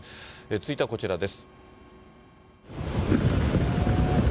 続いてはこちらです。